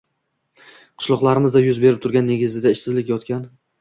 Qishloqlarimizda yuz berib turgan, negizida ishsizlik yotgan